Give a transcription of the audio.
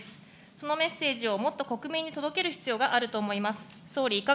そのメッセージをもっと国民に届ける必要があると思います。